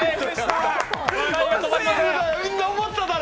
みんな思っただろ！